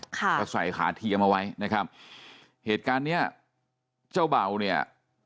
ค่ะก็ใส่ขาเทียมเอาไว้นะครับเหตุการณ์เนี้ยเจ้าเบาเนี่ย